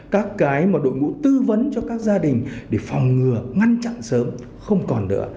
các cái mà đội ngũ tư vấn cho các gia đình để phòng ngừa ngăn chặn sớm không còn nữa